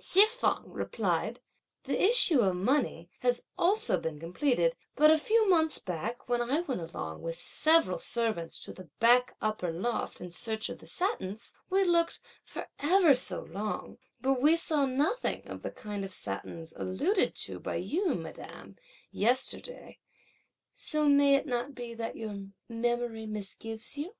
Hsi feng replied: "The issue of the money has also been completed; but a few moments back, when I went along with several servants to the back upper loft, in search of the satins, we looked for ever so long, but we saw nothing of the kind of satins alluded to by you, madame, yesterday; so may it not be that your memory misgives you?"